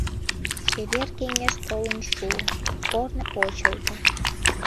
— Чевер кеҥеж толын шуо, корно почылто.